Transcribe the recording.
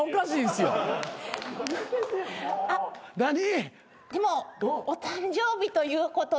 でもお誕生日ということで。